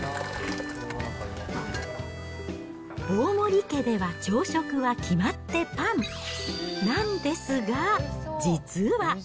大森家では朝食は決まってパン、なんですが、実は。